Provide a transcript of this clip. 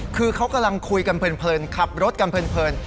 คือเขากำลังคุยกันเพลินขับรถกันเพลิน